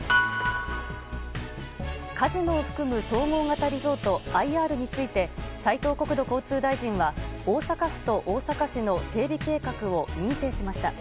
カジノを含む統合型リゾート・ＩＲについて斉藤国土交通大臣は大阪府と大阪市の整備計画を認定しました。